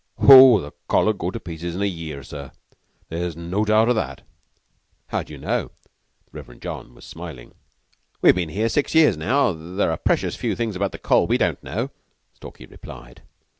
"Oh, the Coll. 'ud go to pieces in a year, sir. There's no doubt o' that." "How d'you know?" The Reverend John was smiling. "We've been here nearly six years now. There are precious few things about the Coll. we don't know," Stalky replied.